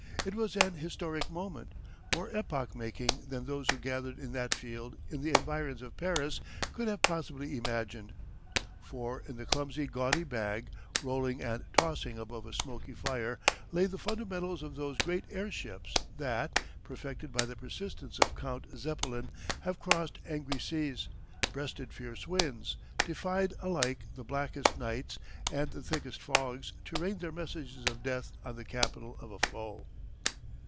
It was an historic moment more epoch making than those who gathered in that field in the environs of Paris could have possibly imagined. For in the clumsy, gaudy bag, rolling and tossing above a smoky fire lay the fundamentals of those great airships that, perfected by the persistence of Count Zeppelin, have crossed angry seas, breasted fierce winds, defied alike the blackest nights and the thickest fogs to rain their messages of death on the capital of a foe.